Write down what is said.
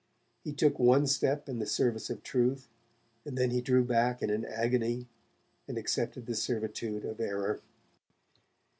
He took one step in the service of truth, and then he drew back in an agony, and accepted the servitude of error.